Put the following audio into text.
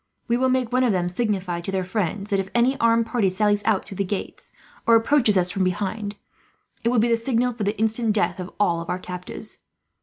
We will make one of them signify, to their friends, that if any armed party sallies out through the gates, or approaches us from behind, it will be the signal for the instant death of all of our captives.